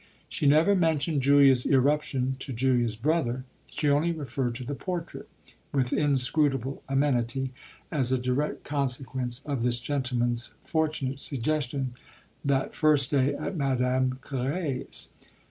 She never mentioned Julia's irruption to Julia's brother; she only referred to the portrait, with inscrutable amenity, as a direct consequence of this gentleman's fortunate suggestion that first day at Madame Carré's.